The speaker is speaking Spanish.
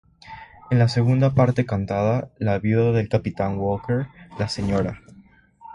En la segunda parte cantada, la viuda del Capitán Walker, la Sra.